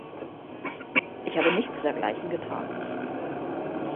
Ich habe nichts dergleichen getan.